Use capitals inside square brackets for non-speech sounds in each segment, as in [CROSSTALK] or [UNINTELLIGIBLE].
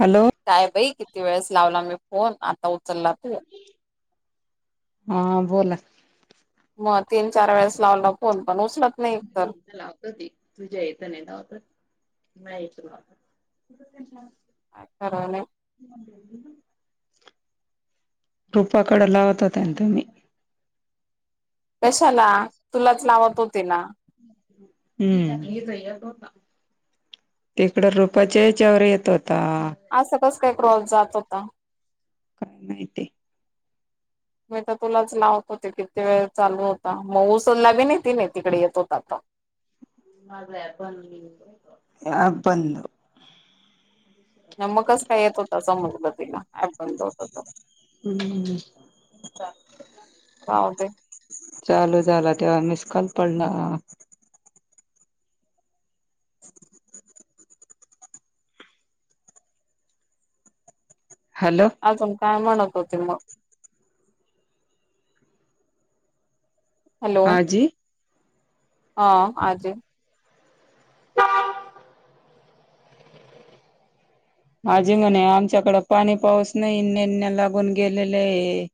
Hello काय बाई किती वेळेस लावला मी फोन आता उचलला तू हा बोला. मग तीन चार वेळेस लावलं फोन पण उचलत नाही [INAUDIBLE] तर कध तुझ्या इेतं नाहीवत नाहीच भात. करालाय. रुपाकडे लावत होते ना तुम्ही. कशाला तुलाच लावत होते ना. हम्म तिकड रुपाच्या याच्यावर येत होता. असं कस काय क्रॉस जात होता. [INAUDIBLE] मी तर तुलाच लावत होते किती वेळ चालू होता मग उसलला बी नाही त नाही तिकडे येत होताता. हां पण. मग कस काय येत होता समजलं तिला. ऍप बंद होत तर हम्म. राहूदे चालू झाला तेव्हा मिस कॉल पडला. [INAUDIBLE] हॅलो. अजून काय म्हणत होते मग. हॅलो आजी हा आजी, आजींम्हणे आमच्याकडें पाणी पाऊस नाही नेण्या लागून गेलेले आहे.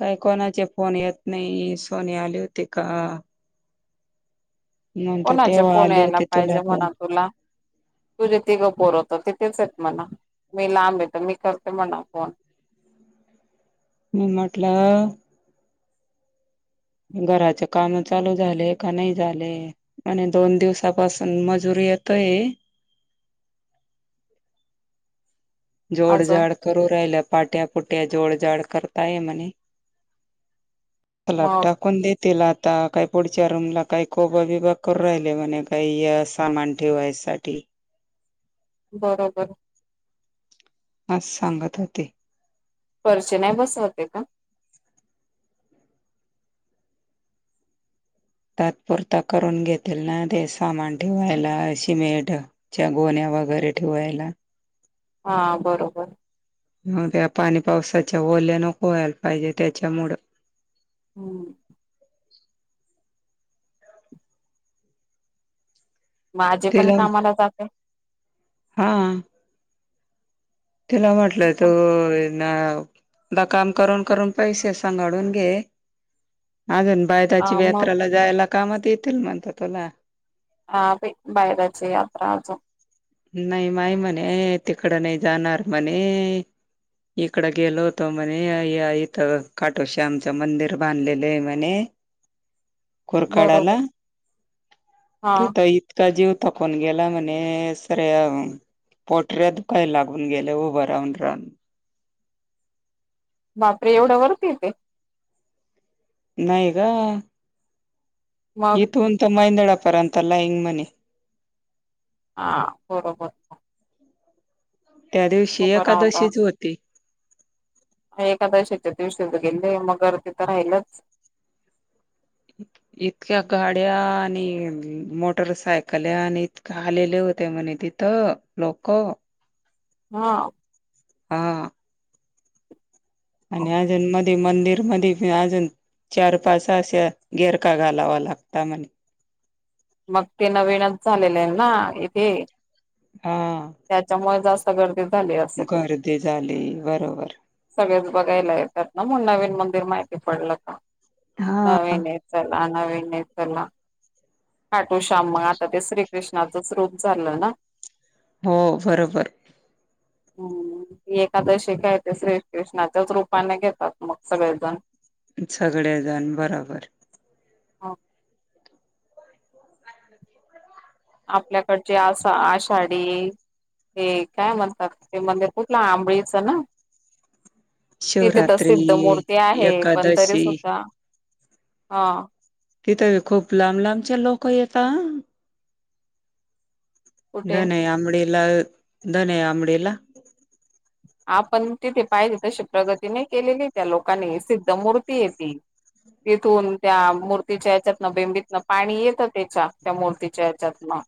काही कोणाचे फोन येत नाही सोनी आले होती का. नंतर कोणाचे तेव्हा फोन आले यायला होते तुला पाहिजे फोन म्हणाव तुला. तूझे तिघं पोर तर तिथेच येत म्हणा मी लांब येत मी करते म्हणा फोन. म म्हटलं, घराचे काम चालू झाले का नाही झाले. आणि दोन दिवसापासून मजुरी येतोय, अजून जोडजाड करू राहिल पाट्यापुट्या जोडजाड करताय म्हणे. पलब मग टाकून देत. तिला आता काही पुढच्या रूमला काही कोबा बिबा करू राहिले म्हणे काही सामान ठेवायसाठी. बरोबर. आज सांगत हो ते. पर्षी नाही बसवते का? तात्पुरता करून घेतेल ना ते सामान ठेवायला सिमेट च्या गोन्या वगैरे ठेवायला. हा बरोबर. त्या पाणी पावसाच्या ओल्या नको व्हायला पाहिजे त्यांच्यामुळ हम्म. माझे पण तिला कामाला जाते. हा. तिला म्हटलं का? तू ना काम करून करून पैसे सांभाळून घे. अजून बायदाची हा मग यात्राला जायला कामात येतील म्हणत तुला हा बायरची यात्रा आजो. नाही माय म्हणे तिकडं नाही जाणार म्हणे. इकड गेलो होतो म्हणे इथं काठोशी आमच्या मंदिर बांधलेलं आहे म्हणे. बरोबर कोरकाडाला हा ते तर इतका जीव थकुन गेला म्हणे. पोटऱ्या दुकाय लागून गेले उभं राहून राहून. बापरे एवढं वरती येत. नाहीय गा. मग इथून तर मायंदाडपरंत लाइन म्हणे. हा बरोबर. त्या दिवशी उभं राहून एकादशीच होती. एकादशीेच्या दिवशी तर गेले मगर तिथं राहिलच. [INAUDIBLE] इतक्या गाड्या आणि मोटरसायकल्या आणि इतक्या आलेल्या होत्या म्हणे ति तर लोक हा. हा. आणि ह्या जन्मात मंदिरामध्ये अजून चार पाच अशा गेरका घालावा लागता म्हणे. मग ते नवीनच झालेले आहे ना इथे हा. त्याच्यामुळे जा. गर्दी झाली. असेल गर्दी झाली बरोबर. सगळेच बघायला येतात ना मग नवीन मंदिर माहिती पडलं का हा नवीन आहे. चला नविन आहे चला काटो श्याम मग आता ते श्रीकृष्णाचच रूप झालं ना. हो बरोबर. [INAUDIBLE] हम्म ती एकादशी काय श्रीकृष्णाच्याच रूपाने घेतात मग सगळेजण सगळेजण बरोबर. आपल्याकडची अस आषाढी ते काय म्हणतात ते मंदिर कुठलं आंबळीचं ना. तिथे तर शिवरात्री सिद्ध मूर्ती आहे पण तरी एकादशी सुद्धा तिथं खूप लांब लांबचे लोक येतात. कुठे धने अमडीला धने अमडीला आपण तिथे पाहिजे तशी प्रगती नाही केलेली त्या लोकांनी सिद्ध मूर्ती आहे ती तिथून त्या मूर्तीच्या ह्याच्यातनं बेंबीतनं पाणी येतं त्याच्या त्या मूर्तीच्या याच्यातनं.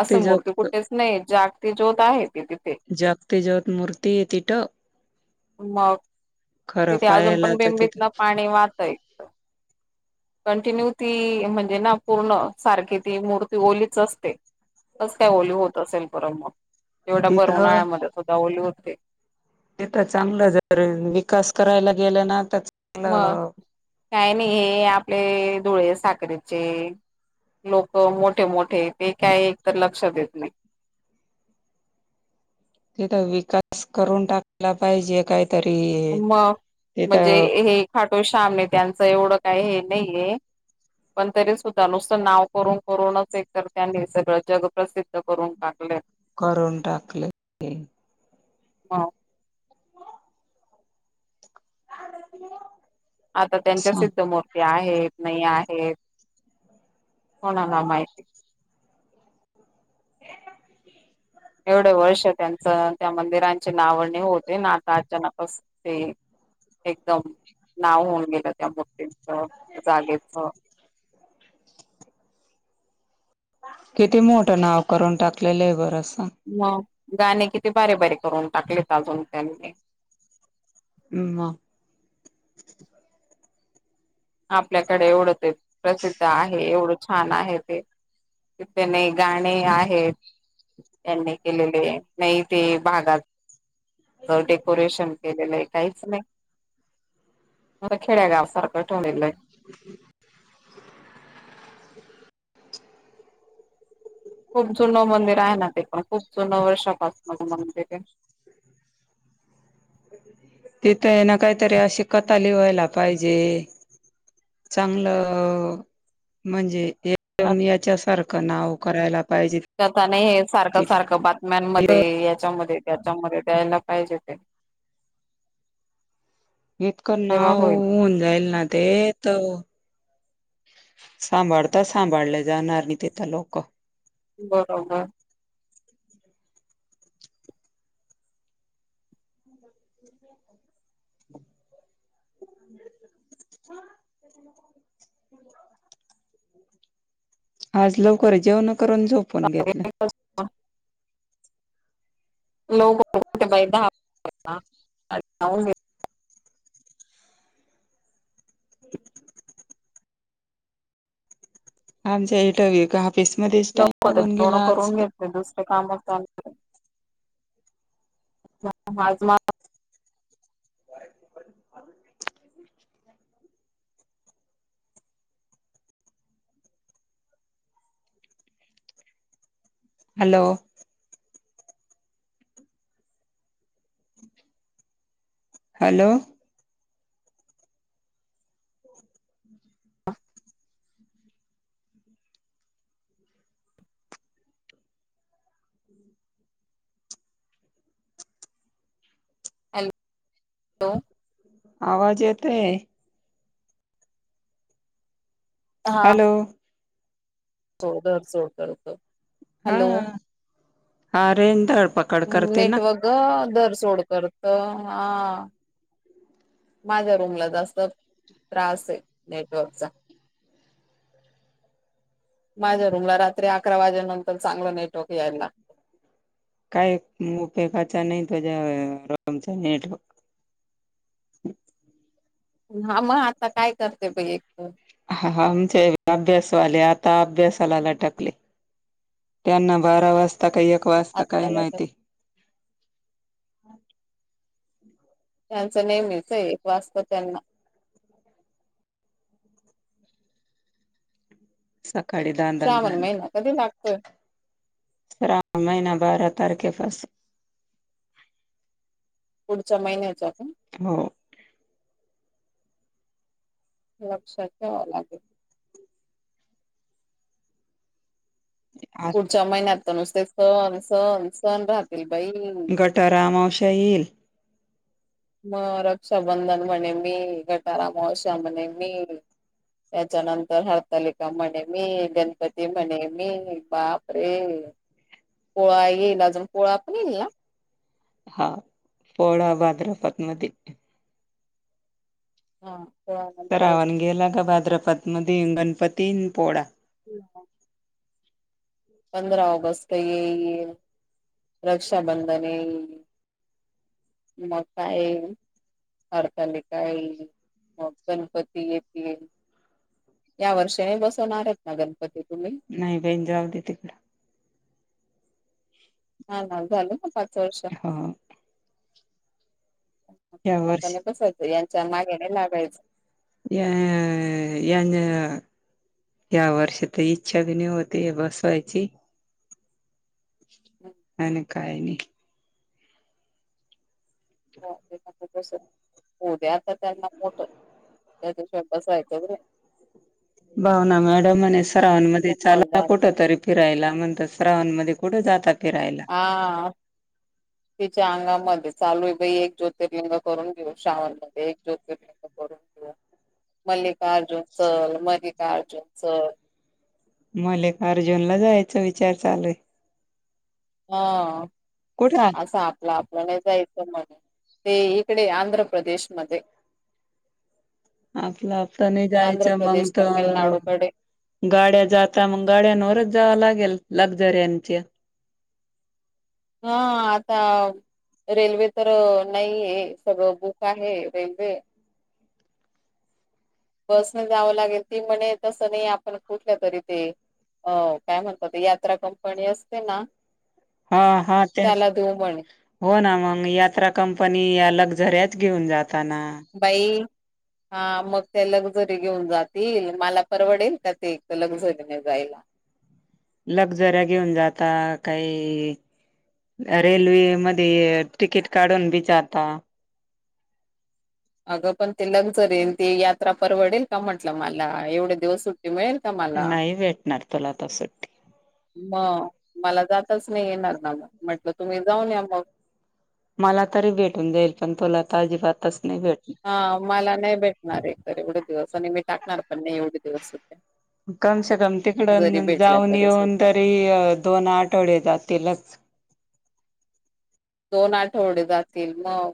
असं मूर्ती कुठेच नाही जागती ज्योत आहे ती तिथे जागती ज्योत मूर्ती आहे तिथं मग खरं तिथे अजून पाहायला पण तर तिथं बिंबीतल पाणी वाहतय कंटिन्यू ती म्हणजे ना पूर्ण सारखी ती मूर्ती ओलीच असते. कस काय ओली होत असेल बर मग एवढ्या तिथं भरऊनाळ्यामध्ये सुद्धा ओली होते. ते तर चांगलं जर विकास करायला गेलं ना तर मग चांगलं काय नाही हे आपले धुळे साखरेचे. लोक मोठे मोठे ते काय? एक तर लक्ष देत नाही. तिथ विकास करून टाकला पाहिजे काय? तरी मग म्हणजे हे घाटो श्यामे त्यांचं एवढं काय हे नाही आहे. पण तरी सुद्धा नुसतं नाव करून करूनच एक तर त्यांनी सगळं जग प्रसिद्ध करून टाकले. करून टाकलेले. हा आ [UNINTELLIGIBLE] आता त्यांच्या सिद्ध मूर्ती आहेत नाही आहेत. कोणाला माहिती एवढे वर्ष त्यांचं त्या मंदिरांची नावने होते ना आता अचानक अस ते एकदम नाव होऊन गेलं त्या मुर्तींच जागेच [INAUDIBLE] किती मोठं नाव करून टाकलय लेय बर अस मग गाणे किती भारी भारीे करून टाकलेत अजून त्यांनी काय ह म आपल्याकडे एवढं ते प्रसिद्ध आहे. एवढं छान आहे ते ते नाही गाणी आहेत. यांनी केलेले नाही ते भागाच डेकोरेशन केलेलं आहे. काहीच नाही म खेड्यागावसारखं ठेवून दिलय. [UNINTELLIGIBLE] खूप जुनं मंदिर आहे ना ते पण खूप जुनं वर्षापासून मंदिर आहे. तिथं आहे ना काहीतरी अशी कथा लिवायला पाहिजे. चांगलं म्हणजे एकदम याच्यासारखं नाव करायला पाहिजे. त्याता नाही हे सारखं तिथं सारखं बातम्यांमध्ये याच्यामध्ये त्याच्यामध्ये द्यायला पाहिजे ते इतकं तेव्हा नाव होईल होऊन जाईल ना ते त सांभाळता सांभाळल्या जाणार नाही. तेथ लोक बरोबर ह [UNINTELLIGIBLE] ह [INAUDIBLE] आज लवकर जेवण करून झोपून घेतलं. लो बत बैठा? [INAUDIBLE] आमच्या हित बी एक ऑफिसमध्येच टाईम लागून गेला आज तर दुसऱ्या कामत चालत हॅलो हॅलो हॅ--लो आवाज येतय. हॅलो चौदा च होतत. हा हा रेधळपकड करते ना ग दर सोड करत हा माझ्या रूमला जास्त त्रास आहे नेटवर्कचा माझ्या रूमला रात्री अकरा वाजेलेनंतर चांगलं नेटवर्क यायला. काय उपेगाचा नाही तेजा रूमचा नेटवर्क हा मग आता काय करते पई एक तर हा हा आमच्या अभ्यासवाले आता अभ्यासाला लटकले. त्यांना बारा वाजता काही एक वाजता काय आत्ताला तर माहिती त्यांचं नेहमीच एक वाजता त्यांना सकाळी धांदल श्रावण धांदल महिना कधी लागतोय श्रावण महिना बारा तारखे पासून पुढच्या महिन्याचा पण हो लक्षात घ्यावं लागेल. पुढच्या महिन्यात तर नुसते सण सण सण राहतील बाई गटार अमावस्या येईल. मग रक्षाबंधन म्हणे मी गटारा अमावस्या म्हणे मी त्याच्यानंतर हरतालिका म्हणे मी गणपती म्हणे मी बाप अरे पोळा येईल अजून पोळा पण येईल ना! हा पोळा भाद्रपद मध्ये हां श्रावण गेला का भाद्रपद मध्ये गणपती आणि पोळा. होका पंधरा ऑगस्ट येईल रक्षाबंधन येईल. म काय हरतालिका येईल मग गणपती येतील. या वर्षाने बसवणार आहेत ना गणपती तुम्ही नाही बही जाऊ द तिकडें ह ना झालं ना पाच वर्ष हो या आता नाही वर्षी बसवायच यांच्या मागे नाही लागायचं. या यांन या वर्षीतर इच्छा बी नाही होती बसवायची आणि काय नाही [UNINTELLIGIBLE] [UNINTELLIGIBLE] भावना मॅडम श्रावण महिन्यामध्ये चाला समजदार कुठ तरी फिरायला म्हणतात श्रावण मध्ये कुठे जाता फिरायला हां तिच्या अंगामध्ये चालू आहे बाई एक ज्योतिर्लिंग करून घेऊ श्रावणमध्येध्य एक ज्योतिर्लिंग मल्लिकार्जुन चल मल्लिकार्जुन चल मल्लिक अर्जुन ला जायचा विचार चालूय हा कुठे असं आपलं आपल्याला जायचं म्हणून ते इकडे आंध्र प्रदेशमध्येध् आपलं आपलं नाही आंध्र जायचं मंग प्रदेश तर तमिळनाडूकडे गाड्या जाता मग गाड्यांवरच जाव लागेल लक्झराच्या हां आता रेल्वे तर नाही आहे सगळं बुक आहे रेल्वे बसने जावं लागेल ती म्हणे तसं नाही आपण कुठल्या तरी ते अ काय म्हणतात ते यात्रा कंपनी असते ना हा हा तेच त्याला देऊ म्हणे हो ना मग यात्रा कंपनी या लक्झरीच घेऊन जाताना. बाई हा मग ते लक्झरी घेऊन जातील मला परवडेल त्या ते एक लक्झरीने जायला. लक्झर्या घेऊन जाता काही रेल्वे मध्ये तिकीट काढून बीचाता अगं पण ते लक्झरी ती यात्रा परवडेल का म्हटलं मला एवढे दिवस सुट [INAUDIBLE] नाही भेटणार तुला आता सुट्टी मग मला जातच नाही येणार ना मग म्हटलं तुम्ही जाऊन या मग मला तरी भेटून जाईल पण तुला तर अजिबातच नाही भेटणार. हा मला नाही भेटणार एक तर एवढे दिवस आणि मी टाकणार पण नाही एवढे दिवस कमसेे कम तिकड जरी भेटल्या जाऊन तरी येऊन सुद्धा तरी दोन आठवडे जातीलच. दोन आठवडे जातील मग